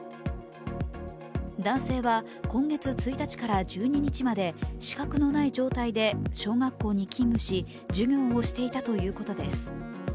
男性は、今月１日から１２日まで資格のない状態で小学校に勤務し、授業をしていたということです。